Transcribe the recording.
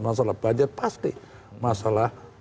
masalah banjir pasti masalah